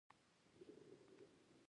مجاهد د الله د لورینې تمه لري.